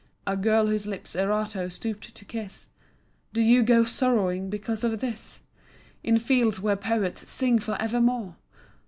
O girl whose lips Erato stooped to kiss, Do you go sorrowing because of this In fields where poets sing forevermore?